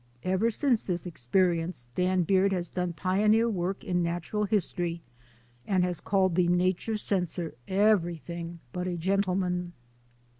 Ever since this experience Dan Beard has done pioneer work in natural history and has called the nature censor everything but a gentleman.